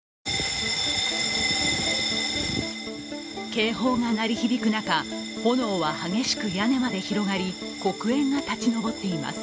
警報が鳴り響く中炎は激しく屋根まで黒煙が立ち上っています。